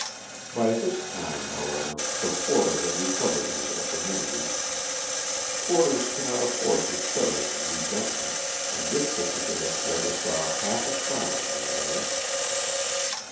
By this time, however, the porter had recovered his equanimity. Porters cannot afford to cherish resentment, and this particular porter saw half a crown in the air.